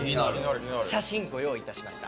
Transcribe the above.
写真ご用意いたしました。